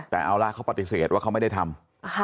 แต่เอาละเขาปฏิเสธว่าเขาไม่ได้ทำ